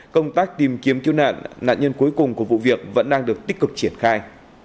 công tác tìm kiếm cứu nạn nạn nhân cuối cùng của vụ việc vẫn đang được tích cực triển khai